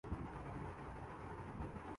شلپا شیٹھی کی ام